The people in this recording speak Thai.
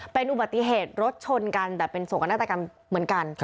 เป็นอุบัติเหตุรถชนกันแต่เป็นส่วนกับหน้าตายกันเหมือนกัน